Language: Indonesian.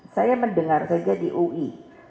saya mendengar saja di ui